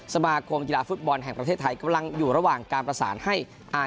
สมาคมกีฬาฟุตบอลแห่งประเทศไทยกำลังอยู่ระหว่างการประสานให้อ่า